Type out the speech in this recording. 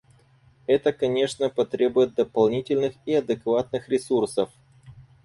Это, конечно, потребует дополнительных и адекватных ресурсов.